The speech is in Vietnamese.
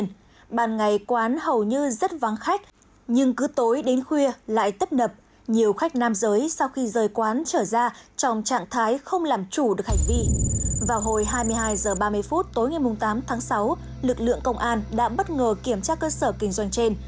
ngày tám tháng sáu lực lượng công an đã bất ngờ kiểm tra cơ sở kinh doanh trên